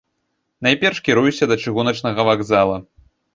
Найперш кіруюся да чыгуначнага вакзала.